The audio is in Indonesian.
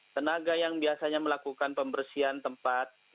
tenaga yang biasanya melakukan pembersihan tempat